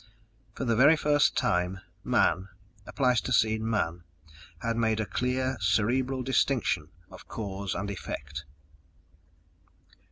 For the very first time, man a Pleistocene man had made a clear cerebral distinction of cause and effect.